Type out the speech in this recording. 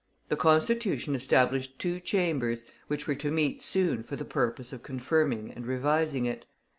This Constitution established two Chambers, which were to meet soon for the purpose of confirming and revising it.